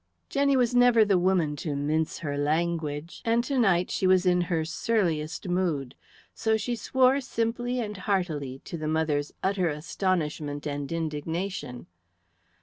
Jenny was never the woman to mince her language, and to night she was in her surliest mood. So she swore simply and heartily, to the mother's utter astonishment and indignation.